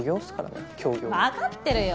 わかってるよ！